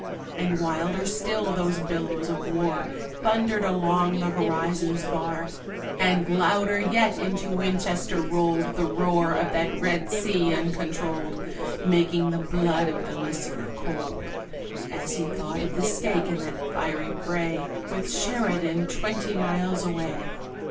And wilder still those billows of war Thundered along the horizon's bar; And louder yet into Winchester rolled The roar of that red sea uncontrolled, Making the blood of the listener cold As he thought of the stake in that fiery fray, With Sheridan twenty miles away!